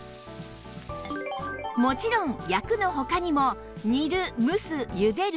もちろん焼くの他にも煮る蒸すゆでる